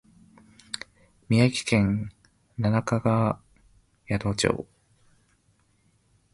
宮城県七ヶ宿町